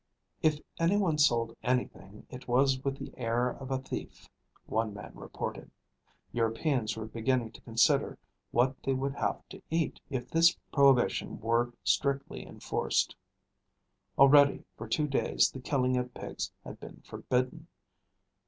If any one sold anything, it was with the air of a thief, one man reported. Europeans were beginning to consider what they would have to eat, if this prohibition were strictly enforced. Already for two days the killing of pigs had been forbidden.